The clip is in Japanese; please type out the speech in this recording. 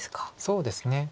そうですね。